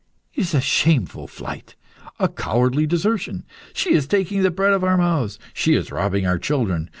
"It is a shameful flight!" "A cowardly desertion!" "She is taking the bread out of our mouths." "She is robbing our children."